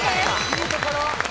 いいところ！